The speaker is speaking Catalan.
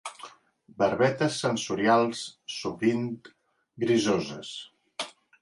Barbetes sensorials sovint grisoses.